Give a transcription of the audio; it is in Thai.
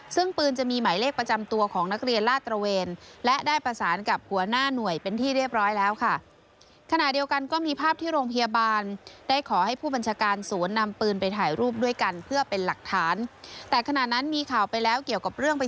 ซึ่งปืนจะมีหมายเลขประจำตัวของนักเรียนลาดตระเวนและได้ประสานกับหัวหน้าหน่วยเป็นที่เรียบร้อยแล้วค่ะ